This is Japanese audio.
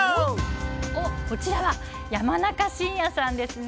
こちらは山中伸弥さんですね。